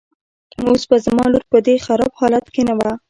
اوس به زما لور په دې خراب حالت کې نه وه.